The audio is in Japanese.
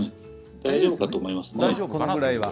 大丈夫かと思います。